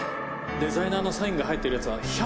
デザイナーのサインが入ってるやつはこれ誰だ？